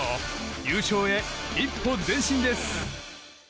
優勝へ一歩前進です。